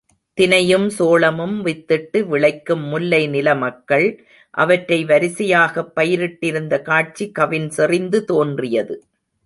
தினையும் சோளமும் வித்திட்டு விளைக்கும் முல்லை நிலமக்கள் அவற்றை வரிசையாகப் பயிரிட்டிருந்த காட்சி கவின் செறிந்து தோன்றியது.